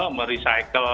kalau misalnya mau tidur ya